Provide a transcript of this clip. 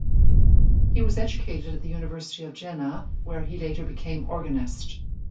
He was educated at the University of Jena, where he later became organist.